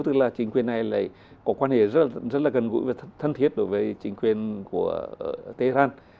tức là chính quyền này lại có quan hệ rất là gần gũi và thân thiết đối với chính quyền của tehran